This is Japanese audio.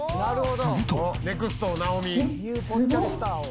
すると。